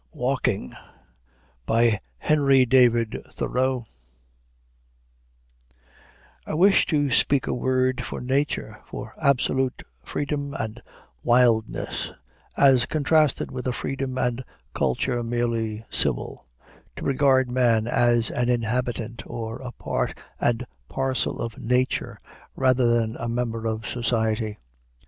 WALKING HENRY DAVID THOREAU I wish to speak a word for Nature, for absolute freedom and wildness, as contrasted with a freedom and culture merely civil, to regard man as an inhabitant, or a part and parcel of Nature, rather than a member of society.